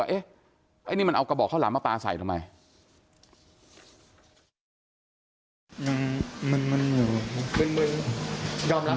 เยี่ยมยอมรับสารทราบใช่ไหมครับยอมรับอืมทำเขาทำไมเหรอครับ